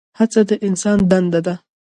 هڅه د انسان دنده ده؟